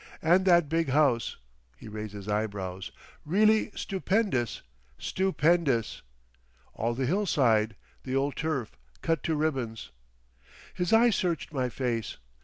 And that big house—" He raised his eyebrows. "Really stupendous! Stupendous. "All the hillside—the old turf—cut to ribbons!" His eye searched my face.